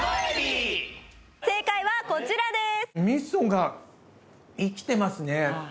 正解はこちらです。